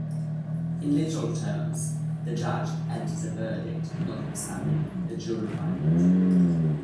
In literal terms, the judge enters a verdict notwithstanding the jury findings.